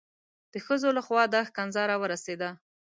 د ښځو لخوا دا ښکنځا را ورسېده.